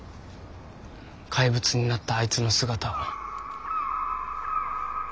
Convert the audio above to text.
怪物になったあいつの姿を。